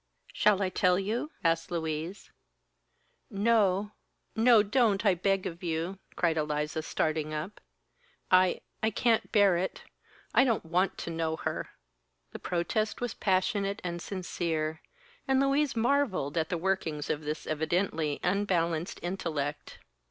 "Shall I tell you?" asked Louise. "No no! Don't, I beg of you!" cried Eliza, starting up. "I I can't bear it! I don't want to know her." The protest was passionate and sincere, and Louise marvelled at the workings of this evidently unbalanced intellect.